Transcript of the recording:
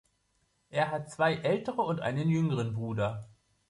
Er hat zwei ältere und einen jüngeren Bruder.